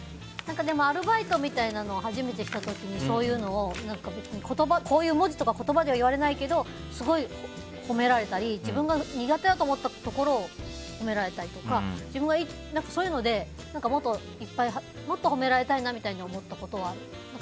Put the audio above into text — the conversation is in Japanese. アルバイトみたいなのを初めてした時にこういう文字とか言葉では言われないけどすごく褒められたり自分が苦手だと思ってたところを褒められたりとかそういうのでもっと褒められたいなみたいに思ったことはある。